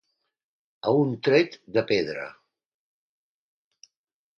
A un tret de pedra.